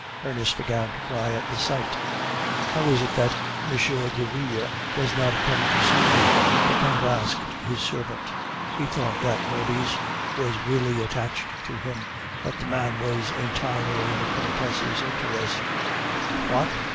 Ernest began to cry at the sight. "'How is it that M. Derville does not come to me?' the Count asked his servant (he thought that Maurice was really attached to him, but the man was entirely in the Countess' interest) 'What!